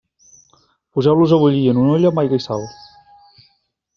Poseu-los a bullir en una olla amb aigua i sal.